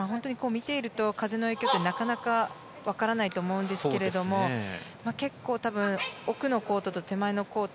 見ていると風の影響ってなかなか分からないと思うんですけれども結構、奥のコートと手前のコート